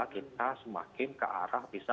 kita semakin ke arah bisa